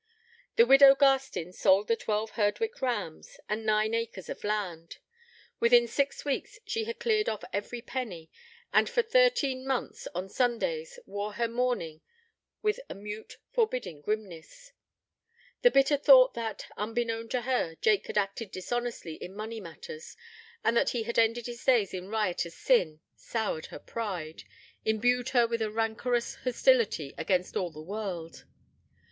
The widow Garstin sold the twelve Herdwicke rams, and nine acres of land: within six weeks she had cleared off every penny, and for thirteen months, on Sundays, wore her mourning with a mute, forbidding grimness: the bitter thought that, unbeknown to her, Jake had acted dishonestly in money matters, and that he had ended his days in riotous sin, soured her pride, imbued her with a rancorous hostility against all the world.